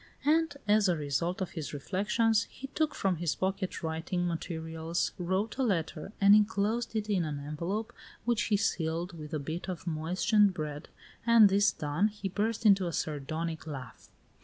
And, as a result of his reflections, he took from his pocket writing materials, wrote a letter, and inclosed it in an envelope, which he sealed with a bit of moistened bread, and this done, he burst into a sardonic laugh.